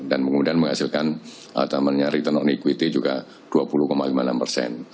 dan kemudian menghasilkan return on equity juga dua puluh lima puluh enam persen